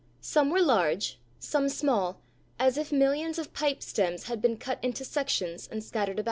Some were large, some small, as if millions of pipestems had been cut into sections and scattered about.